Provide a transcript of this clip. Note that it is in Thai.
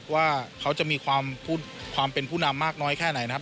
ว่าเขาจะมีความเป็นผู้นำมากน้อยแค่ไหนนะครับ